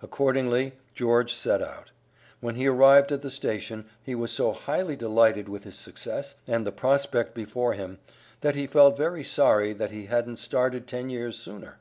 Accordingly George set out. When he arrived at the station he was so highly delighted with his success and the prospect before him, that he felt very sorry that he hadn't started ten years sooner.